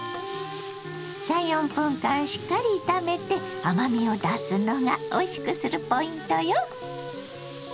３４分間しっかり炒めて甘みを出すのがおいしくするポイントよ。